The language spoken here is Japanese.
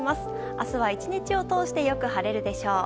明日は１日を通してよく晴れるでしょう。